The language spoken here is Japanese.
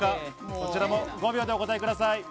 こちらも５秒でお答えください。